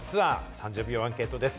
３０秒アンケートです。